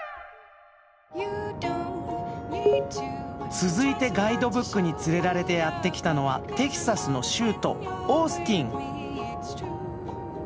続いてガイドブックに連れられてやって来たのはテキサスの州都オースティン。